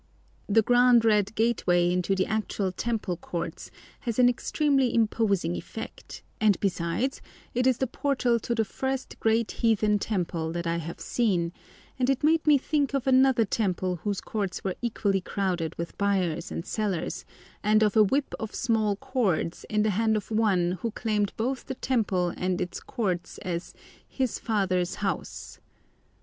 The grand red gateway into the actual temple courts has an extremely imposing effect, and besides, it is the portal to the first great heathen temple that I have seen, and it made me think of another temple whose courts were equally crowded with buyers and sellers, and of a "whip of small cords" in the hand of One who claimed both the temple and its courts as His "Father's House."